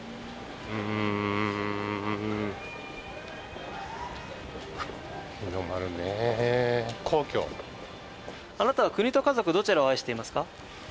うん日の丸ねえ皇居あなたは国と家族どちらを愛していますか？